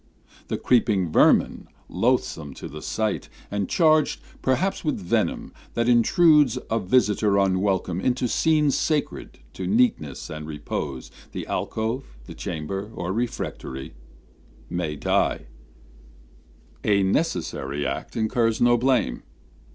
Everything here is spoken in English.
The creeping vermin, loathsome to the sight, And charged perhaps with venom, that intrudes, A visitor unwelcome, into scenes Sacred to neatness and repose, the alcove, The chamber, or refectory, may die: A necessary act incurs no blame.